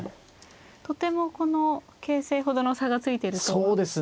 とてもこの形勢ほどの差がついてるとは見えない局面です。